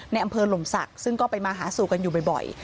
อำเภอหลมศักดิ์ซึ่งก็ไปมาหาสู่กันอยู่บ่อย